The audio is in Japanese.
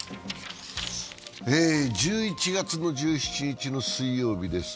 １１月１７日の水曜日です。